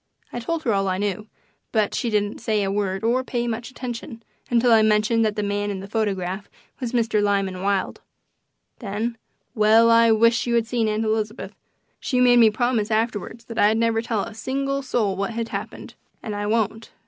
I told her all I knew, but she didn't say a word or pay much attention until I mentioned that the man in the photograph was Mr. Lyman Wilde. Then well, I wish you had seen Aunt Elizabeth! She made me promise afterwards that I'd never tell a single soul what happened, and I won't.